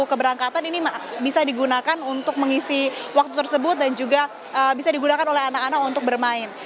keberangkatan ini bisa digunakan untuk mengisi waktu tersebut dan juga bisa digunakan oleh anak anak untuk bermain